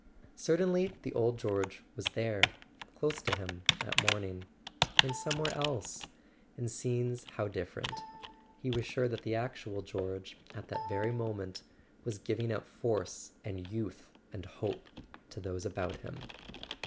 Certainly the old George was there, close to him, that morning; and somewhere else—in scenes how [ 398 ] A SON AT THE FRONT different.—he was sure that the actual George, at that very moment, was giving out force and youth and hope to those about him.